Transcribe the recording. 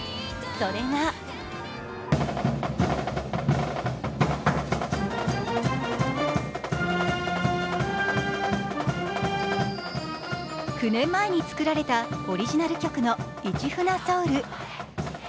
それが９年前に作られたオリジナル曲の「市船ｓｏｕｌ」。